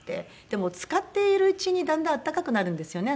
でもつかっているうちにだんだん温かくなるんですよね